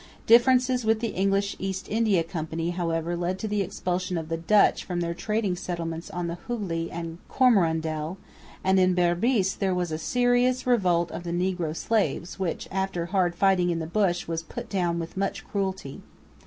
Differences with the English East India Company however led to the expulsion of the Dutch from their trading settlements on the Hooghley and Coromandel; and in Berbice there was a serious revolt of the negro slaves, which, after hard fighting in the bush, was put down with much cruelty.